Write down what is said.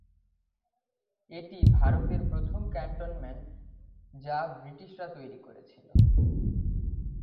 এটি ভারতের প্রথম ক্যান্টনমেন্ট যা ব্রিটিশরা তৈরী করেছিল।